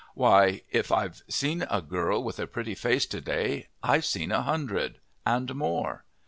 Why, if I've seen a girl with a pretty face to day I've seen a hundred and more.